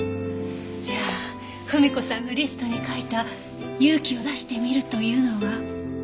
じゃあふみ子さんがリストに書いた「勇気を出してみる」というのは。